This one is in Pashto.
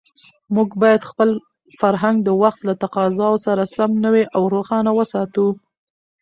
موږ باید خپل فرهنګ د وخت له تقاضاوو سره سم نوی او روښانه وساتو.